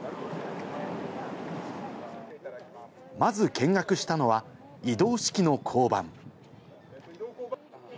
まず見学したのは、移動式の交番。